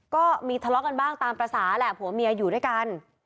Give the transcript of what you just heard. ก็มีทะเลาะกันบ้างตามภาษาแหละผัวเมียอยู่ด้วยกัน